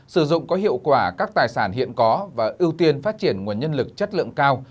sử dụng có hiệu quả các tài sản hiện có và ưu tiên phát triển nguồn nhân lực chất lượng cao